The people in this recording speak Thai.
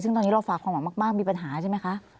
ซึ่งตอนนี้เราฝากความหวังมากมีปัญหาใช่ไหมคะ